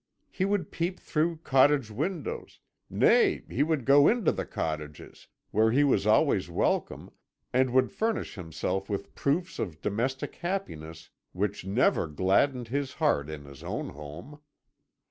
He would peep through cottage windows nay, he would go into the cottages, where he was always welcome, and would furnish himself with proofs of domestic happiness which never gladdened his heart in his own home.